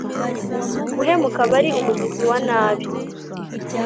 uhemuka aba ari umugizi wa nabi